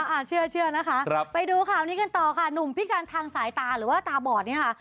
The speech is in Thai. อ่าเชื่อนะคะไปดูข่าวนี้กันต่อค่ะหนุ่มพิการทางสายตาหรือว่าตาบอดเนี่ยค่ะ